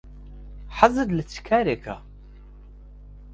حەزت لە چ کارێکە؟